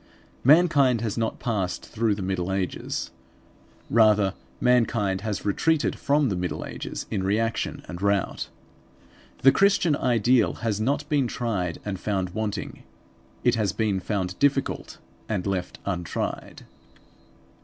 Mankind has not passed through the Middle Ages. Rather mankind has retreated from the Middle Ages in reaction and rout. The Christian ideal has not been tried and found wanting. It has been found difficult; and left untried.